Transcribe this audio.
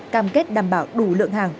cam kết đảm bảo đủ lượng hàng